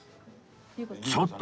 ちょっと！